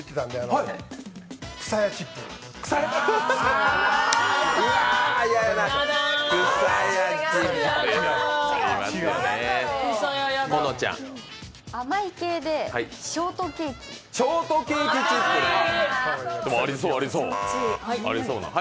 でれ、ありそうな。